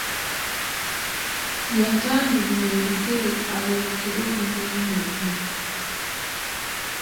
Yatandulula ebigere ayolekere olugendo lwe.